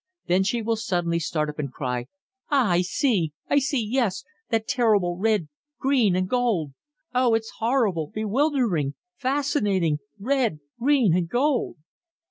Then she will suddenly start up and cry, 'Ah! I see I see yes that terrible red, green and gold! Oh! it's horrible bewildering fascinating red, green and gold!'